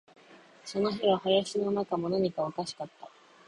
その日は林の中も、何かがおかしかった